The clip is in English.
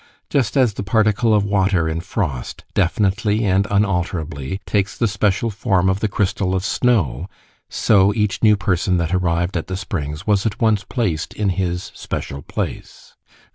Just as the particle of water in frost, definitely and unalterably, takes the special form of the crystal of snow, so each new person that arrived at the springs was at once placed in his special place.